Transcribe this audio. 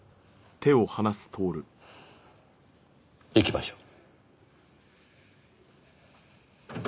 行きましょう。